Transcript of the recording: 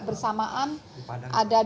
sebetulnya tidak hanya di ntb ntt